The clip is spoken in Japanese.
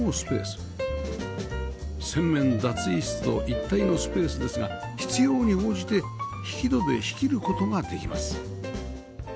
洗面脱衣室と一体のスペースですが必要に応じて引き戸で仕切る事ができます